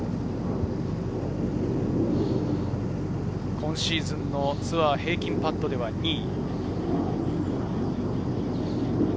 今シーズンのツアー平均パットでは２位。